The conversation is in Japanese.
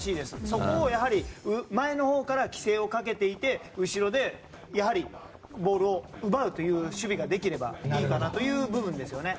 そこを前のほうから気勢をかけていって後ろで、ボールを奪うという守備ができればいいかなという部分ですよね。